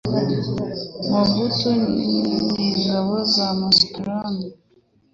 Mobutu ni ingabo ze na Schramme